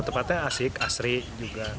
tempatnya asik asri juga